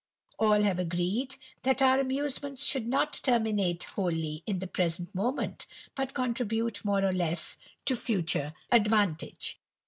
All have agreed that our amusemei should not terminate wholly in the present moment, b contribute more or less to future advantage.